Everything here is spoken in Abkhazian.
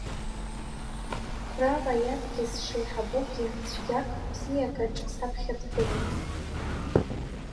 Қәрала иаҵкьыс сшеиҳабугьы, цәгьак-бзиакаҿ, саԥхьа дгылоит.